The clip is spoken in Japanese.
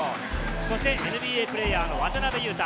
そしてＮＢＡプレーヤーの渡邊雄太。